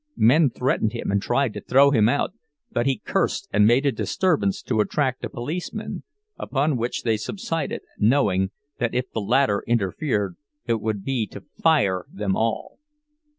Men threatened him and tried to throw him out, but he cursed and made a disturbance to attract a policeman, upon which they subsided, knowing that if the latter interfered it would be to "fire" them all.